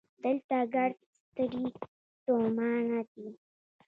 دلته ګړد ستړي ستومانه دي